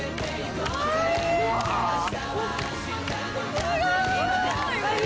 ・すごい！